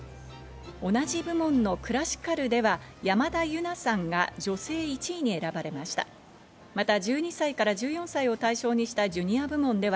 同じ部門のクラシカルでは山田優七さんが女性１位に選ばれました。